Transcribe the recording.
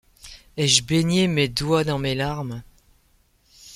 Ai-je baigné mes doigts dans mes larmes !